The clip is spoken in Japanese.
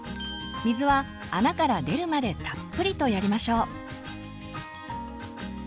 水は穴から出るまでたっぷりとやりましょう。